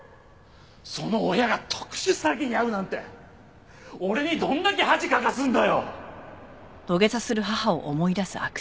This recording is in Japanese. その親が特殊詐欺に遭うなんて俺にどんだけ恥かかすんだよ！